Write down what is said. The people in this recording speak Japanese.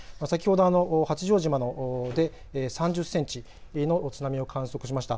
先ほど八丈島で３０センチの津波を観測しました。